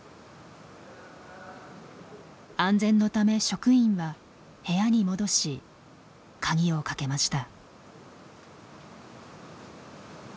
安全のため職員は部屋に戻し鍵をかけました。